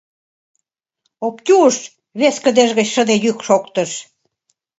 — Оптюш! — вес кыдеж гыч шыде йӱк шоктыш.